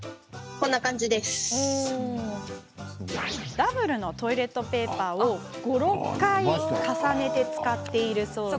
ダブルのトイレットペーパーを５、６回重ねて使っているそう。